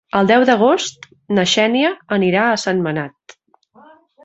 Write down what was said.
El deu d'agost na Xènia anirà a Sentmenat.